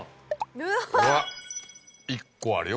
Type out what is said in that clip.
うわ１個あるよ。